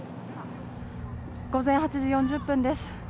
午前８時４０分です。